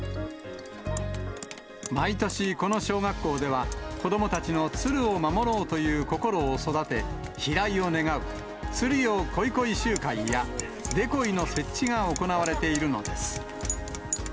毎年、この小学校では子どもたちのツルを守ろうという心を育て、飛来を願う、つるよ来い来い集会やデコイの設置が行われているのです。